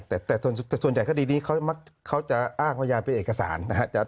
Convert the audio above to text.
แต่ส่วนใหญ่ข้อดีตนี้เขาจะอ้างพยานเป็นเอกสาร